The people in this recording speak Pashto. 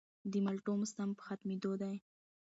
د مالټو موسم په ختمېدو دی